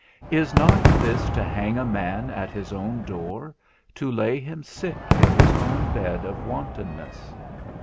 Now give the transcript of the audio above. Is not this to hang a man at his own door, to lay him sick in his own bed of wantonness?